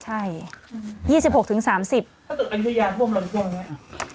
ถ้าเกิดอันยุธยาท่วมรนทั่วอย่างนี้